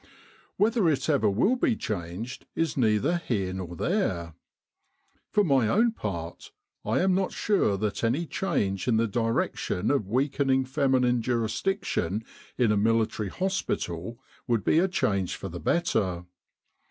Whether it ever will be changed, is neither here nor there. For my own part, I am not sure that any change in the direc tion of weakening feminine jurisdiction in a military hospital would be a change for the better.